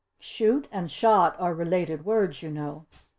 Shoot and shot are related words, you know.